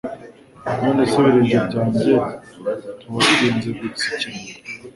None se ibirenge byanjye ntiwabirinze gutsikira